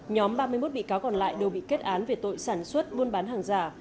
nhóm ba mươi một bị cáo còn lại đều bị kết án về tội sản xuất buôn bán hàng giả